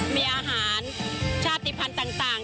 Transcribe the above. มีอาหารชาติภัณฑ์ต่าง